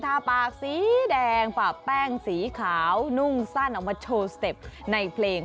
ทาปากสีแดงปากแป้งสีขาวนุ่งสั้นออกมาโชว์สเต็ปในเพลง